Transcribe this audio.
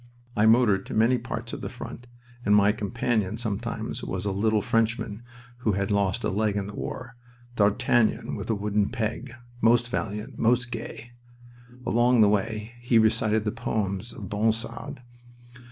I motored to many parts of the front, and my companion sometimes was a little Frenchman who had lost a leg in the war D'Artagnan with a wooden peg, most valiant, most gay. Along the way he recited the poems of Ronsard.